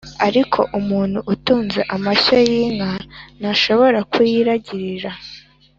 ariko umuntu utunze amashyo y’inka ntashobora kuyiragirira